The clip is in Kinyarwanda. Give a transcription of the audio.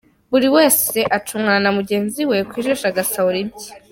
Buri wese acungana na mugenzi we ku jisho agasahura ibye.